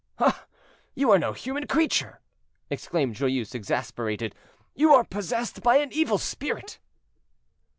"Ah! you are no human creature!" exclaimed Joyeuse, exasperated. "You are possessed by an evil spirit."